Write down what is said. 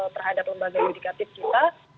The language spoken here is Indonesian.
terhadap lembaga yudikatif kita